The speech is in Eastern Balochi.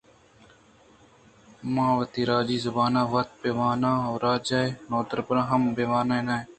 ما وتی راجی زُبان ءَ وت بِہ وان ایں ءُ راج ءِ نودربراں ھم بہ وانین ایں۔